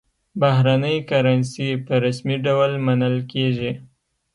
بهرنۍ کرنسي په رسمي ډول منل کېږي.